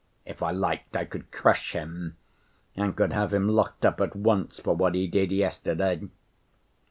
If I liked, I could crush him and could have him locked up at once for what he did yesterday."